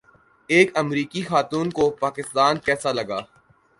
ایک امریکی خاتون کو پاکستان کیسا لگا